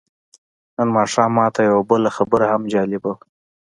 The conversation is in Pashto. نن ماښام ماته یوه بله خبره هم جالبه وه.